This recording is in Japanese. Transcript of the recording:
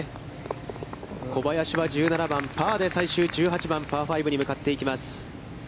小林は１７番、パーで最終１８番、パー５に向かっていきます。